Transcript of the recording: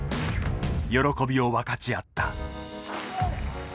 喜びを分かち合った。